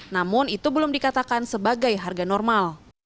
namun itu belum dikatakan sebagai harga normal